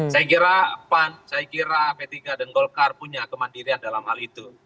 saya kira pan saya kira p tiga dan golkar punya kemandirian dalam hal itu